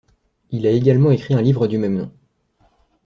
Il a également écrit un livre du même nom.